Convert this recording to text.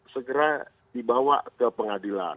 segera dibawa ke pengadilan